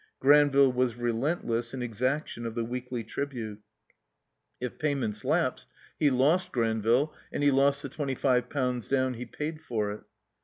Gran ville was relentless in eacaction of the weekly tribute. If pajmients lapsed, he lost Granville and he lost the twenty five ixnmds down he paid for it.